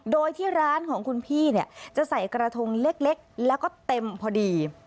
โดยที่ร้านของคุณพี่เนี่ยจะใส่กระทงเล็กแล้วก็เต็มพอดี